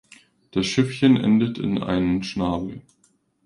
Das Schiffchen endet in einen Schnabel.